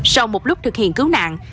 sau một lúc thực hiện cứu nạn